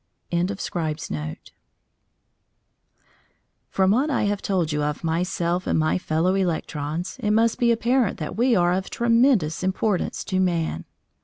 CHAPTER XX CONCLUSION From what I have told you of myself and my fellow electrons, it must be apparent that we are of tremendous importance to man.